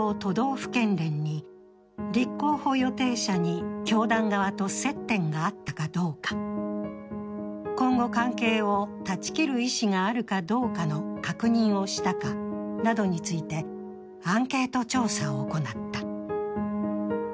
府県連に立候補予定者に教団側と接点があったかどうか、今後、関係を断ち切る意思があるかどうかの確認をしたかなどについて、アンケート調査を行った。